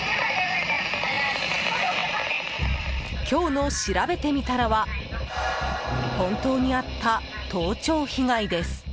今日のしらべてみたらは本当にあった盗聴被害です。